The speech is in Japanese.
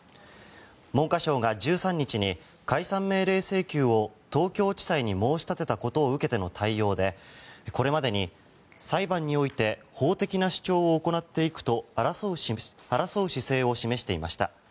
文科省が１３日に解散命令請求を東京地裁に申し立てたことを受けての対応でこれまでに、裁判において法的な主張を行っていくと争う姿勢を示していました。